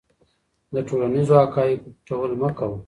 د ټولنیزو حقایقو پټول مه کوه.